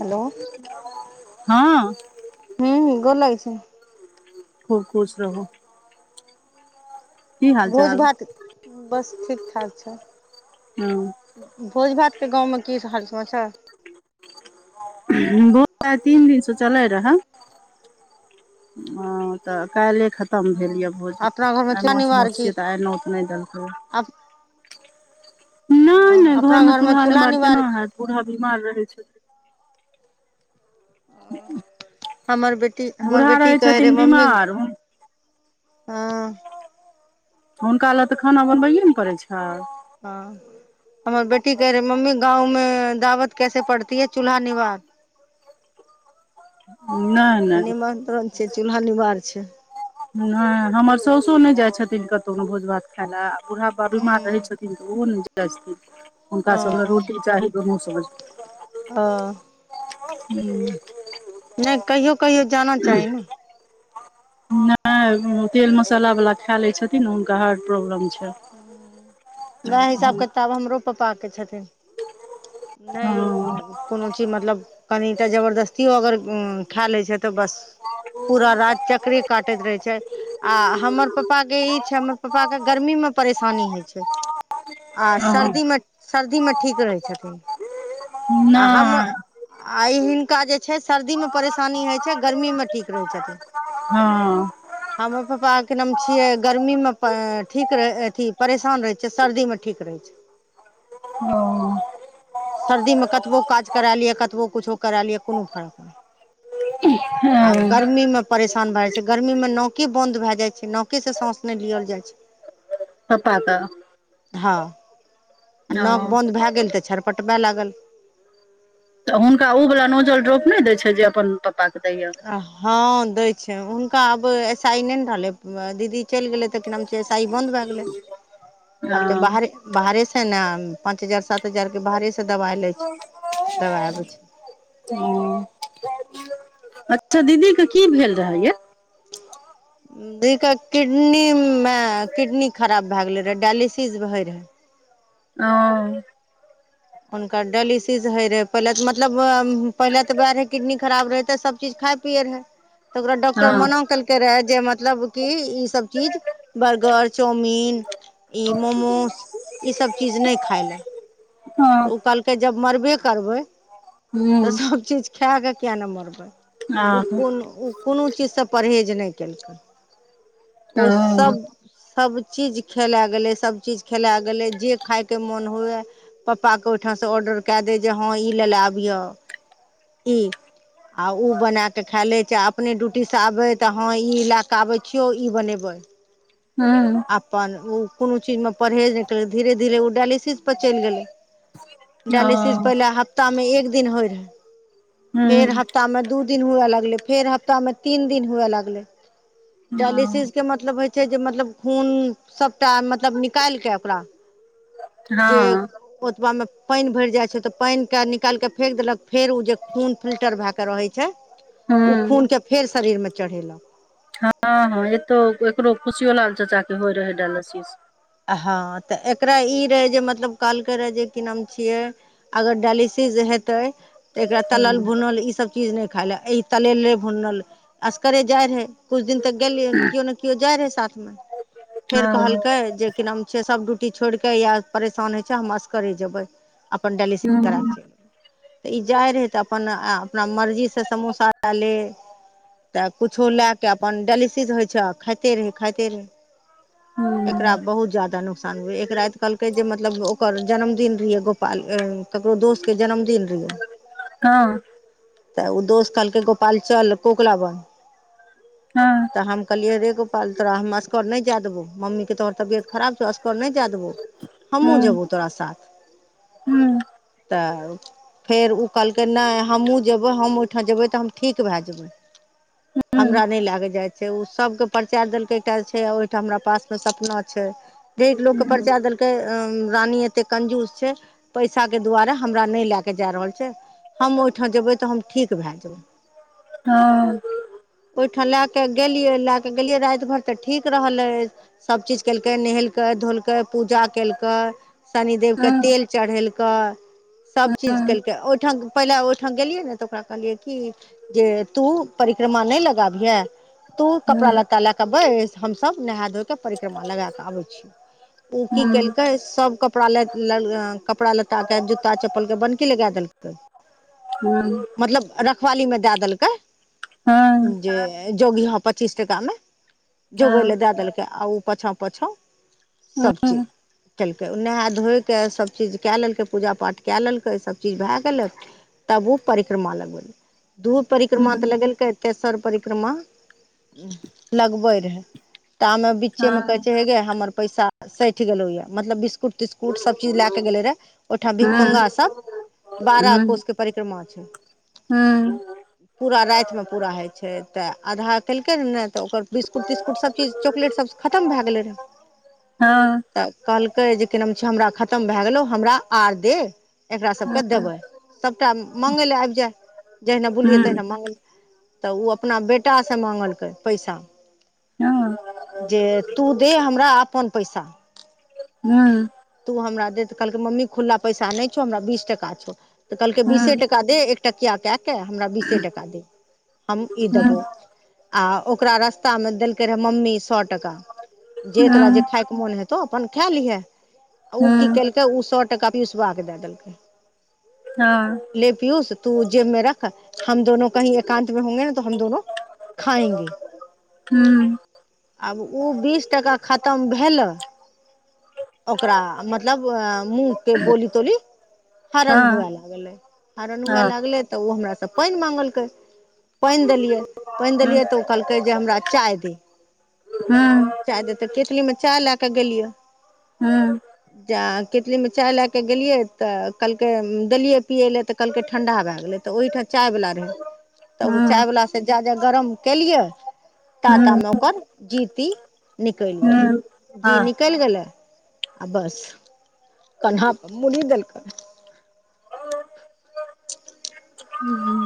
Hello हँ हू गोर लगै छियैनि खुब खुश रहू की हाल भोज चाल भात बस ठीक ठाक छ हुँ भोज भात के गाँवं में की हाल समाचार हुँ भोज भात तीन दिनसँ चलै रह हं तऽ काल्हि खत खतम भेल यऽ भोज अपना घरमे आइ चूल्हा माछ मौंस छियै तऽ आइ नोत नहि देलकै अब अपना घरमे चूल्हा निवार बुरहा बीमार रहै छै हमर बेटी हमर बूढ़ा बेटी रहै कहे छथिन रहे मम्मी बीमार हँ हुनका लए तऽ खाना बनबैए ने पड़ै छै हँ हमर बेटी कह रहे मम्मी गांव में दावत कैसे पड़ती है चूल्हा निवार नहि नहि निमन्त्रण छै चूल्हा निवार छै नहि हमर साउासो नहि जाइ छथिन कतहु भोज भात खा लए बूढ़ा बााबीमार हूँ रहै छथिन तऽ ओहो ने जाइ छथिन हुनका ओ सब ल रोटी चाही समझके हँ हुँ नहि कहियो कहियो जाना चाही ने हँ तेल मसाल वालला खा लै छथिन हुनका हार्ट प्रॉब्लम छै वएह हिसाब हँ किताब हमरो पापा के छथिन हँ नहि कोनो चीज मतलब कनिटा जबरदस्तियो अगर खा लै छथि तऽ बस पूरा चक्करै काटैत रहै छथि आ हमर पापा के ई छै हमर पापा के गर्मी मे परेशानी होइ छै आ सर्दीमे सर्दीमे ठीक रहैत छथिन आ हमर नहि आ हिनका जे छै सर्दीमे परेशानी होइत छै गर्मी मे ठीक रहैत छथिन हाँ अ हमर पापा के नाम छियै गर्मी मे ठीक रह अथी परेशान रहे छिय सर्दी मे ठीक रहै छै ओ सर्दीमे कतबो काज करा लिअ कतबो किछो करा लिअ कोनो फर्क नहि आ हँ गर्मी में परेशान भए जाय छै गर्मी में नाके बंद भए जाय छै न के सांस नहि लियल जाइ छै पप्पा के हँ आ ओ नाक बंन्द भए गेल तऽ छरपटबै लागल तऽ हुनका उ वला नोजल ड्रोप नै दैय छै जे अपन पप्पा के दैयऽ हँ दै छै हुनका आब ऐसा ई नहि ने रहलै दीदी चलि गेलै तऽ कि नाम छै ऐसाई बन्द भए गेले आब तऽ हँ बाहरे बाहरेसँ ने पाँच हजार सात हजारके बाहरेसँ दबाइ लै छै दबाइ आबै छै अच्छा दीदी के की भेल रहय यै दि के किडनी मे किडनी खराब भए गेले रहे डायलिसिस होय रहै ओ हुनकर डायलिसिस होय रहै पहिले तऽ मतलब पहिले तऽ वएह रहै किडनी खराब रहै तऽ सबचीज खाइत पियै रहै तऽ ओकरा डॉक्टर हँ हँ मना केलकै रहै जे मतलब कि ई सब चीज बर्गर चाउमिन ई मोमोस ई सब चीज नहि खाय ले हँ कहलकै जब मरबे करबै तऽ हूँ सब चीज खेकऽ किये नहि मरबै आ उ कोन उ कोनो चीजसँ परहेज नहि केलकै ओ सब सभचीज खेले गेलै सभचीज खेले गेलै जे खायके मोन हुए पप्पा के ओहिठाम से ऑर्डर के दय जे हँ ई ले ले आबिह ई आ ओ बने कऽ खे लै चाहे अप अपने ड्यूटीसँ आबै तऽ हँ ई लै कऽ आबै छियौ ई बनेबै हूँ अपन ओ कोनो चीजमे परहेज नहि कैलकै धीरे धीरे ओ डाइलिसिस पर चलि गेलै ओ डायलिसिस पहिले हफ्तामे एक दिन होइ रहै फेर ह हूँ हप्ता मे दू दिन हुए लगलै फेर हप्तामे तीन दिन हुए लगलै ओ डायलिसिस के मतलब होइ छै जे मतलब खून सभटा मतलब निकालि के ओकरा जे हँ ओतबा मे पानि भरि जाय छै तऽ पानि के निकाल के फेेक देलक फेर उ जे खून फिल्टर भए कऽ रहैत छै ओ हूँ खूनके फेर शरीरमे चढ़ेलक हँ हँ एतौ एकरो खुशियो लाल चाचा के होइ रहै डाइलिसिस हँ तऽ एकरा ई रहै जे मतलब कहलकै रहए जे की नाम छियै अगर डायलिसिस हेतै तऽ एकरा तलल हूँ भुनल ई सभ चीज नहि खाइ लए एहि तलेले भुनल असकरे जाइ रहय कुछ दिन तक गेलियै केओ ने केओ जाइ रहै साथमे फेर हँ कहलकै जे कि नाम छै सभ ड्यूटी छोड़िकऽ या परेशान होइ छै हम असकरे जेबै अपन डाइलिसिस करा हूँ के चलि अयबै तऽ ई जाइ रहै तऽ अपन अपना मर्जीसँ समोसा ले ले तऽ कुछो लए कऽ अपन डाइलिसिस होइ छै आ खाइते रहय खाइते रहय हूँ ज्यादा नुकसान हुए एक राति कहलकै जे मतलब ओकर जन्मदिन रहियै गोपाल ककरो दोस्त के जन्मदिन रहै हँ तऽ ओ दोस्त कहलकै गोपाल चल कोकला बन हँ तऽ हम कहलियै रे गोपाल तोरा हम असकर नहि जाए देबौ मम्मीके तोहर तबिय त खराब छौ असकर नहि जाय देबौ हमहुँ हूँ जेबौ तोरा साथ हूँ तब फेर उ कहलकै नहि हमहूँ जेबै हम ओहिठाम जेबै तऽ हम ठीक भए जेबै हूँ हमरा नहि लै के जाय छै ओ सबके परिचय देलकै एकटा छै ओहिठाम हमरा पासमे सब छै एतेक लोक केँ परिचय देल के रानी एते कंजूस छै पैसा के दुआरे हमरा नहि लए के जा रहल छै हम ओहिठाम जेबै तऽ हम ठीक भए जेबै हँ ओहिठाम लय के गेलियै लए के गेलियै राति भर तऽ ठीक रहले सब केलकै नहेलकै धोलकै पूजा केलकै शनिदेव के हूँ तेल चढ़ेलकै सभचीज हूँ केलकै ओहिठाम पहिले ओहिठाम गेलियै ने तऽ ओकरा कहलियै कि जे तू परिक्रमा नहि लगाबिहे तू कपड़ा लत्ता हूँ लए कऽ बै हमसभ नहाए धो कऽ परिक्रमा लगा कऽ आबै छी ओ की केलकै सब कपड़ा ल कपड़ा लत्ता के जूता चप्पल के बनकी लगा देलकै हुँ मतलब रखवाली मे दए देलकै हँ जे जोग पचीस टा मे जोगै हँ ल दए देलकै आ ओ पाछा पाछा सभचीज हूँ खेलकै ओ नहाए धोए क सभचीज कए लेलकै पूजा पाठ कए लेलकै सभचीज भए गेलै तब ओ परिक्रमा लगबल दू परिक्रमा तऽ हूँ लगेलकै तेसर परिक्रमा लगबे रहे तामे बीचे मे कहे हँ छै हे गे हमर पैसा सठि गेलो या मतलब बिस्कुट बिस्कुट सब चीज लए के गेले रहे ओहिठाम हूँ भीखम्ंगा सब हूँ बारहकोषके परिक्रमा छै हूँ पूरा रातिमे पूरा होइ छै तऽ आधा केलकै ह ने तऽ ओकर बिस्कुट तिस्कुट सभचीज चॉकलेटसभ खतम भए गेलै रहऽ हँ हूँ हँ तऽ कहलकै जे क न छै हमरा खतम भए गेलौ हमरा आर दे एकराास सभकेँ देबै सभटा मङ्गय लेलए आबि जाय जहिना हूँ बुलियै हूँ तहिना मङ्गल तऽ ओ अपना बेटाासँ माँगलकै पैसा हँ जे तू दे हमरा अपन पैसा हुँ तू हमरा दे तऽ कहलकै मम्मी खुल्ला पैसा नहि छौ हमरा बीस टका छौ तऽ कहलकै हूँ बीसे टका दे टकिया दय के हमरा बीसे ट दे हम ई हूँ देबौ आ ओकरा रास्ता में देलक रहे मम्मी सए टका जे तोरा जे खाय मोन हेतौ अपन खा लिहे आ ओ की हँ केलकै ओ सए टका पुलिसबा के दए देलकै हँ ले पियूस तू जेब में रख हम दोनो कही एकान्त में होंगे ने त हम दोनो खाएंगे हुँ आब ओ बीस टका खतम भेलऽ ओकरा मतलब मुँह के बोली तोली हरण हँ हुए लागले हरण हुए हँ लागलै तऽ ओ हमरास पानि मांगलकै पानि देलियै पानि देलियै तऽ ओ कहलकै जे हमरा चाय दे हुँ चाय दे ते केतली मे चाय ले के गेलिय हुँ जे कितलीमे चाय लए कऽ गेलियै तऽ कहलकै देलियै पियै लए तऽ ल ठंडा भए गेल त ओहिठाम चाय वला रहे त चाय वला से जादा गरम केलियै ताता मे ओकर जीती निकलि गेलै जी अ निकलि गेलै आ बस कन्हा पर मूड़ी देलकै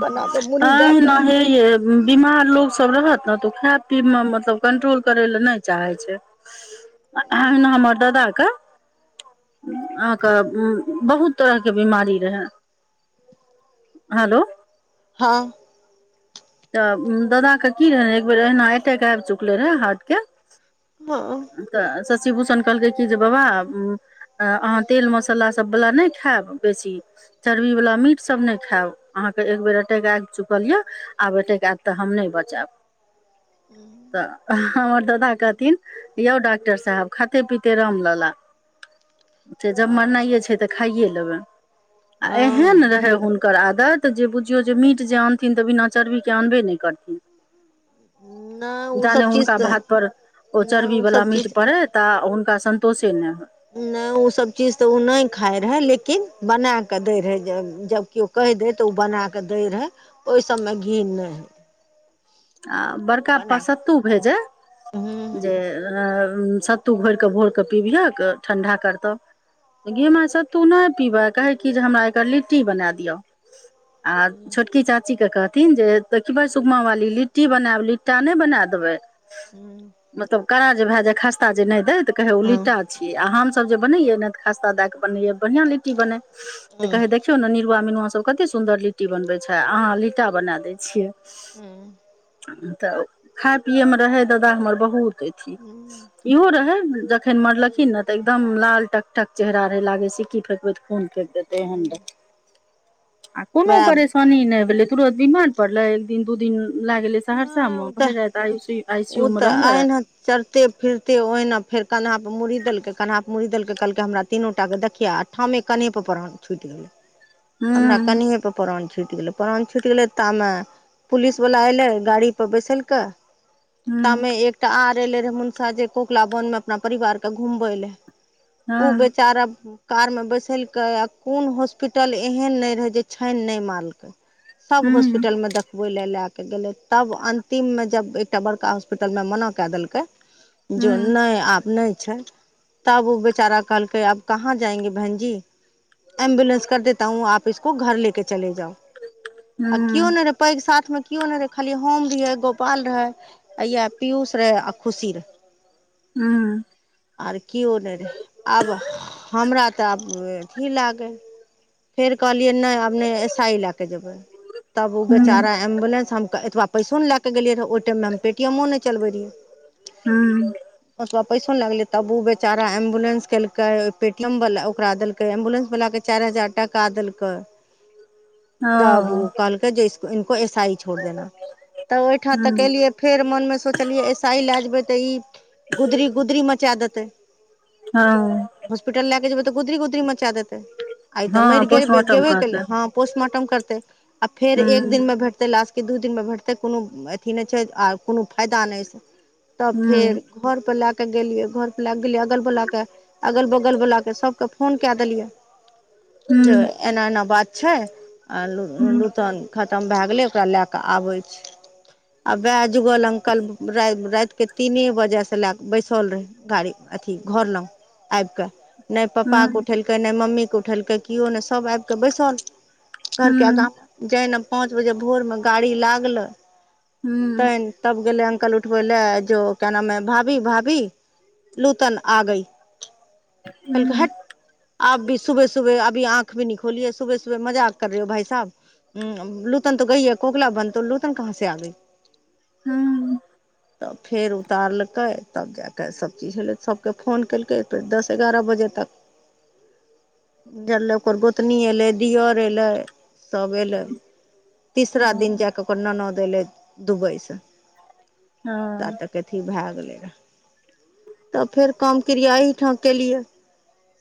कन्हा पर मुड़ी दए आँना कऽ हे ह [inaudible] बीमार लोकोसभ रहत ने तऽ ओ खाय पीैमे मतलब कंट्रोल करय लए नहि चाहै छै अहाँन हमर दाद क अहाँके बहुत तरहके बीमारी रहय हेलो हँ तऽ दादा के की रहे एक बेेर एना अटैक आबि चुकले रहे हार्ट के हँ तऽ शशि भूषण कहलकै कि जे बाबा अहाँ तेल मसालासभवला नहि खायब बेसी चर्बी वालला मीटसभ नहि खायब अहाँके एक बेेर अटैक आबि चुकल यऽ आब एटेक आब तऽ हम नहि बचब हू [inaudible] तऽ हमर दादा कहथिन यौ डॉक्टर साहेब खाते पिते राम लला से जब हँ मरनाइए छै तऽ खाइए लेबै आ एहन हँ रहै हुनकर ओकर आदत जे बुझियौ जे मीट जे आनथिन तऽ बिना चर्बी के आनबे नहि करथिन नहि ओ जाने सब चीज हुनका तऽ भात पर ओ नहि चर्बी वालला सब मीट चीज पड़ैत तऽ हुनका संन्तोषे ने होय नहि ओ सब चीज तऽ ओ नहि खााय रहए लेकिन बना कऽ दै रहै जबकि कहि दै तऽ ओ बनाकऽ दै रहै ओहि सबमे घिन नहि हइ आ बड़का प बना कऽ सत्तू भेजे हूँ जे सत्तू घोरि कऽ भोर कऽ पिबिहक ठंढा करतह गेमा सत्तू नहि पीबै कहै कि जे हमरा एकर लिट्टी बना दिअ आ हूँ छोटकी चाची के कहथिन जे देखबे सुगमा वाली लिट्टी लिट्टी बनायब लिट्टा नहि बना देबै हूँ मतलब कड़ा जे भए जाए खस्ता जे नहि दै तऽ कहै ओ ली्टा छियै आओ हमसब जे बनैयए नहि तऽ खस्ता दए कऽ बनैयए बढ़ियाआ लिट्टी बनेै तऽ हूँ कहै देखियौ ने निरुआ मिनुआ सब कतेक सुन्दर लिट्टी बनबै छै अहाँ लीटा बनाए दै छियै हूँ तऽ खाय पियैमे रहय दादा हमर बहुत अथी हूँ इहो रहै जखन मरलखिन नऽ तऽ एकदम लाल टक टक चेहरा रहै लागै सिक्की फेेकबै तऽ खुन फेक देतेइ हन ह आ कोनो परेशानी नहि भेलै तुरत बिमार पड़ले एक दिन दू दिन लाग गेलै सहरसा। नहि ओ तऽ भऽ राति आई सी ओ यू मे तऽ रहले। अहिना चरते फिरते ओहिना फेर कन्हााप पर मुड़ी देलकै कन्हााप पर मुड़ी देलकै कहलकै हमरा तीनोटा के देखियिया। ठाम मे कनेप पर छुटि गेलै। हू तानी प पान छुट गेलै परन छुट गेलै तऽमे पुिस बला अइै गाड़ी। बैसल कऽ हूँ तमे एक। टा आर एले रहे मना कोकलावन मे अपना परिवार के घूमबे ले। ओ हँ बेचारा कार में बैसलकै आ कोन हॉस्पिटल एहन नहि रहे जे छानि नहि मारकै सब हूँ हॉस्पिटल मे देखबै ल ले के गेलै तब अंतिम मे जब एकटा बड़का होस्पिटल मे मना के देलकै जो हूँ नहि आब नहि छै तब ओ बेचारा कहलकै आप कहाँ जाएंगे बहन जी एम्बुलेस कर देता हूँ आप इसको घर लेके चले जाउ आ क्यो हूँ नहि र। पैघ साथमे क्यो नहि रखलिय। होम री गोपाल रहे या पीयूष रहे आ खुशी रहे। ह आर केओ नहि रहै आब हमरा तऽ आब अथी लागै। फेर कहलियै नहि अपने से लऽ के जेबै। तब ओ हूँ बेचारा एम्बुलेस हम एतबा। पैस लैके गेलहिटी नहि चलबै रहि। हूँ ओतबा पैसो न लगले तब ओ बेचारा एम्बुलेस केलके पेटीएम वाला ओकरा देलक एम्बुलेस वला के चारि हजार टाका देलकै तब ओ हँ कहलके इको ऐसाई छोड़ देना। तऽ ओहिठाम तक हूँ एलियै फेर मोनमे सोचलियै ऐसाइ लऽ जेबै तऽ ई। गुदरी गुदरी मचा देते हँ हॉस्टल लए के जेब तऽ दरी गुदरी मचा दे। आइ तऽ मरि हँ गेल पोस्टमार्टम गेबे के कहतै हँ पोस्टमार्टम करतै। आ फेर हूँ एक दिनमे भेटतै लास्ट। दू दिन मे भेटतै कोनो अथी नहि छै आ कोनो फायदा नहि छै तब हूँ फेर। घर परे लए कऽ गेलियै घर परे लए कऽ गेलियै अगल बल के। अगल बगल बला के सभके फोन क देलियै जे। हूँ एना एना बात छै आ हूँ लूटन खतम भऽ गेले ओकरा ले के आबे। आ वए जुगल अकलाति। के तीने बजे से लऽ कऽ बैसल रहै गाड़ी अथी घर लो आबि कऽ। नहि हूँ पप्पकेउठेलकै नहि मम्मीके उठेलकै केओ नहि सभ आबि कऽ बैसल। घरकेगा हूँ जना पाँच बजे भोर मे गाड़ी लागले ते। हूँ तब गेलै अंकल उठबै लए जो कऽ नामे भाभी भाभी। लूतन आ गई कलहट। आब भी सुबह सुबह अभी आँख भऽ न खोली सुबह सुबह मजा आ कर रहेौ भइ साहब। हू लुतन तो गईए कोकला बन। तो तन कह से आबे हूँ तब फेर उतारलकै। तब जा कऽ सभचीज भेललै सभके फोन केलकै फेर दस एगारह बजे तक। झलै ओकर गोतनी अयलै दुआ अलै सभ अयलै। तीसरा दिन जा कऽ ओकर ननद एले दुबई से त हूँ तक। कथी भऽ गेलै रहए तब फेर काम क्रिया एठाम केलियै।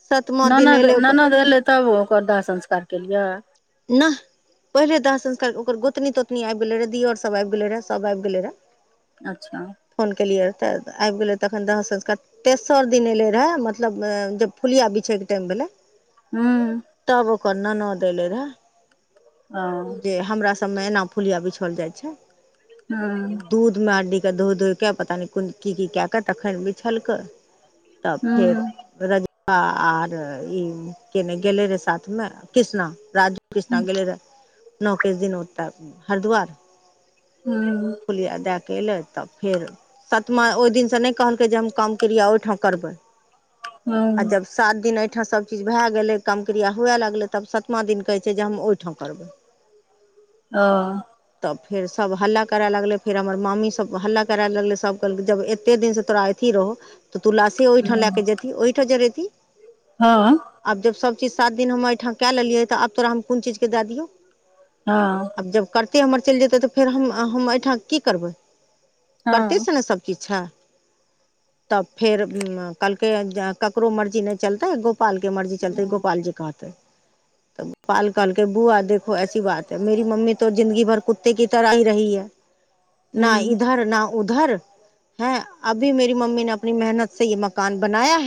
सतमा दिन ननद अयलै ननद ओकर एयलै तब ओकर दाह संस्कार केलियै नाह पहिले दाह संस्कार ओकर गोतनी तोतनी आबि गेलै रहे दियर सब आबि गेले रहे सभ आबि गेले रहे अच्छा फोन केलियर तऽ आब गेलै तखन दाह संस्कार तेसर दिन एयलै रहए मतलब जब फुलिया बिछयके टाइम भेलै हुँ तब ओकर ननद एलै रहै ओ जे हमरा सभमे एना फुलिया बिछल जाइत छै हूँ दूध मे आडडी के धोय धोय के पता नहि कोन की की कए कऽ तखन बिछलकै तब फेर हूँ रजबा आर ई केने गेले रे साथ मे कृष्णा राज कृष्णा गेलै रहए नओकेस दिन ओतय हरिद्वार हुँ फुलिया दए के एलै तब फेर सतमा ओहि दिनसँ नहि कहलकै जे हम काम किर्या ओहिठाम करबै आ हूँ जब सात दिन ऐठा सबचीज भए गेलै काम क्रिया हुए लगलै तब सतमा दिन कहै से जे हम ओहिठाम करबै अ तब फेर सब हल्ला करे लगले फेर हमर मामी सब हल्ला करए लगले सब कहलक जब एते दिन से तोरा अथि रह तऽ तू लाशे ओहिठाम लए के जेती ओहिठाम जेरेतीह हँ आब जब सभचीज सात दिन हम एहिठाम कए लेलियै तऽ आब तोरा हम कोन चीजकेँ दए दियौ हँ आब जब कर्त हमर चलि जेतै तऽ फेर हम हम एहिठाम की करबै हँ कर्तए सँ ने सभकिछु छै तब फेर कहलकै ककरो मर्जी नहि चलते एगो गोपाल के मर्जी चलतै गोपाल जी कहतै पाल कहलके बुआ देखो ऐसी बात है मेेरी मम्मी त जिंन्दी भर कुत्ते क तरह ही रही है नहि हूँ इधर न उधर हैं अभी मेरी मम्मी ने अपनी मेहनत से ये मकान बनाय है